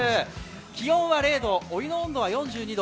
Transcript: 気温は０度、お湯の温度は４２度。